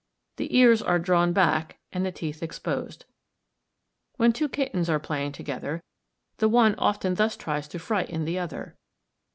The ears are drawn back, and the teeth exposed. When two kittens are playing together, the one often thus tries to frighten the other.